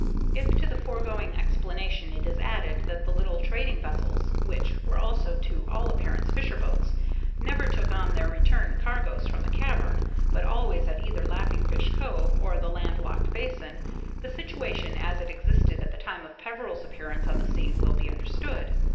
If to the foregoing explanation it is added that the little trading vessels, which were also to all appearance fisher boats, never took on their return cargoes from the cavern, but always at either Laughing Fish Cove or the land locked basin, the situation as it existed at the time of Peveril's appearance on the scene will be understood.